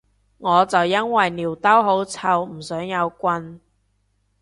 我就因為尿兜好臭唔想有棍